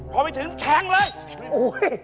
พอไม่ถึงแทงเลย